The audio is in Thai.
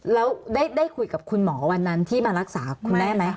แล้วได้คุยกับคุณหมอวันนั้นที่มารักษาคุณแม่ไหม